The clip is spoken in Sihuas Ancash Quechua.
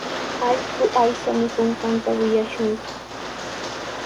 Allqu aycha mikunqanta willashunku.